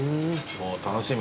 楽しみ。